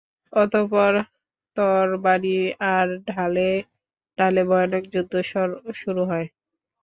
অতঃপর তরবারি আর ঢালে ঢালে ভয়ানক যুদ্ধ শুরু হয়।